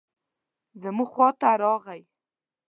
زموږ خواته راغی.